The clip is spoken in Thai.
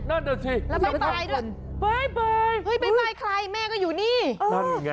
นั่นอ่ะสิแล้วไปไปด้วยไปไปไปไปใครแม่ก็อยู่นี่เออนั่นไง